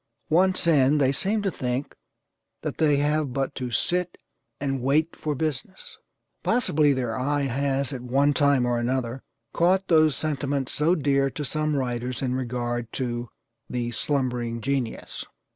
Once in, they seem to think that they have but to 'sit and wait' for business. Possibly their eye has, at one time or another, caught those sentiments so dear to some writers in regard to 'the slumbering genius.'